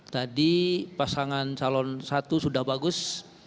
tadi pasangan calon satu sudah bagus